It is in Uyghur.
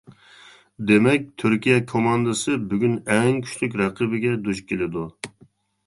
دېمەك تۈركىيە كوماندىسى بۈگۈن ئەڭ كۈچلۈك رەقىبىگە دۇچ كېلىدۇ!